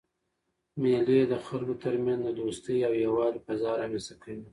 مېلې د خلکو ترمنځ د دوستۍ او یووالي فضا رامنځ ته کوي.